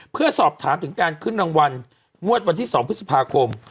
เพื่อสอบถามถึงการขึ้นรางวัลงวดวันที่๒พฤษภาคม